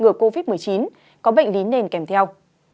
ngừa covid một mươi chín có bệnh lý nền kèm theo